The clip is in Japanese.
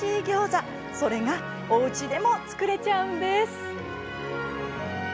それがおうちでも作れちゃうんです。